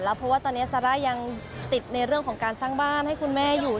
เพราะว่าตอนนี้ซาร่ายังติดในเรื่องของการสร้างบ้านให้คุณแม่อยู่